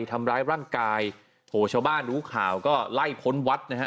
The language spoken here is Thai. ทำร้ายร่างกายโหชาวบ้านรู้ข่าวก็ไล่ค้นวัดนะฮะ